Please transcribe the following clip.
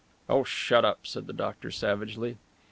"Oh, shut up," said the doctor savagely.